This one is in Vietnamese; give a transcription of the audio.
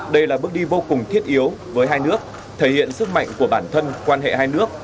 đây là bước đi vô cùng thiết yếu với hai nước thể hiện sức mạnh của bản thân quan hệ hai nước